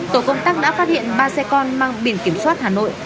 tổ công tác đã phát hiện ba xe con mang biển kiểm soát hà nội